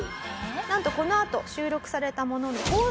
なんとこのあと収録されたものの。